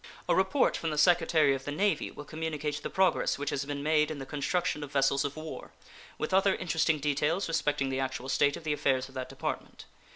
A report from the Secretary of the Navy will communicate the progress which has been made in the construction of vessels of war, with other interesting details respecting the actual state of the affairs of that Department.